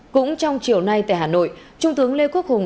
cũng trong chiều nay tại hà nội trung tướng lê quốc hùng